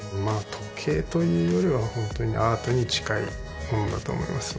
時計というよりはホントにアートに近いものだと思います